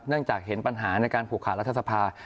จากเห็นปัญหาในการผูกขาดรัฐสภา